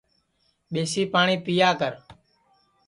ٻیسی پاٹؔی پِیا کر